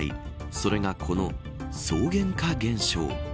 それがこの草原化現象。